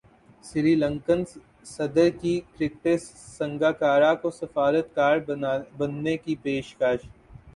سری لنکن صدر کی کرکٹر سنگاکارا کو سفارتکار بننے کی پیشکش